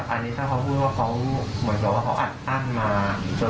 อันนี้ถ้าเขาพูดว่าเขาอัดอันมา